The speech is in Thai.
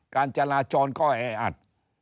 การจราจรก็แออัด